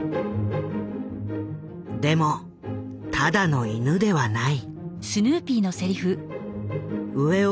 でもただの犬ではない。